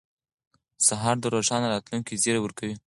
سهار د روښانه راتلونکي زیری ورکوي.